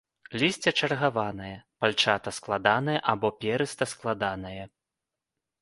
Лісце чаргаванае, пальчата-складанае або перыста-складанае.